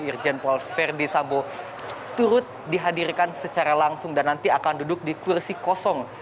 irjen paul verdi sambo turut dihadirkan secara langsung dan nanti akan duduk di kursi kosong